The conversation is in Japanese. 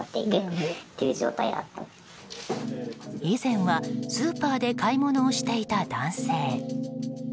以前はスーパーで買い物をしていた男性。